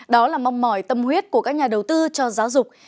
đó là mong mỏi tâm huyết của các nhà đầu tư cho giáo dục